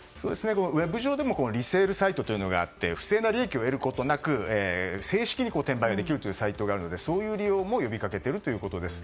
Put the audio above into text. ウェブ上でもリセールサイトというのがあって不正な利益を得ることなく正式に転売できるサイトがあるのでそういう利用も呼びかけているということです。